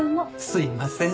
すいません